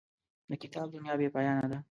د کتاب دنیا بې پایانه ده.